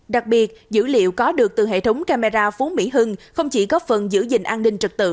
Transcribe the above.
đặc biệt dữ liệu có được từ hệ thống camera phú mỹ hưng không chỉ góp phần giữ gìn an ninh trật tự